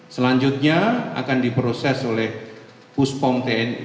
selanjutnya akan diproses oleh puspong tni